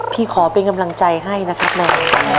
พี่ขอเป็นกำลังใจให้นะครับใน